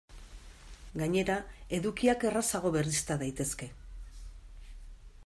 Gainera, edukiak errazago berrizta daitezke.